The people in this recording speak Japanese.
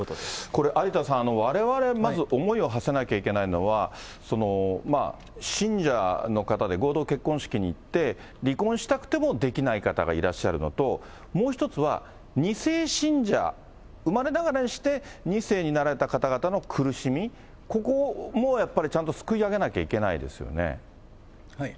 これ、有田さん、われわれまず思いをはせなきゃいけないのは、信者の方で合同結婚式に行って、離婚したくてもできない方がいらっしゃるのと、もう一つは、２世信者、生まれながらにして２世になられた方々の苦しみ、ここもやっぱりちゃんとすくい上げなきゃいけないですよね。